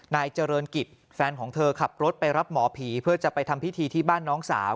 นายเจริญกิจแฟนของเธอขับรถไปรับหมอผีเพื่อจะไปทำพิธีที่บ้านน้องสาว